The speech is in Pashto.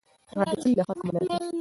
هغه د کلي له خلکو مننه کوي.